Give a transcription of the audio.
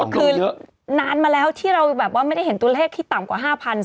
คือนานมาแล้วที่เราแบบว่าไม่ได้เห็นตัวเลขที่ต่ำกว่า๕๐๐